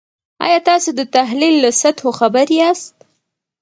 آیا تاسو د تحلیل له سطحو خبر یاست؟